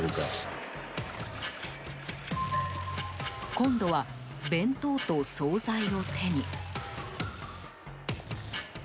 今度は、弁当と総菜を手に。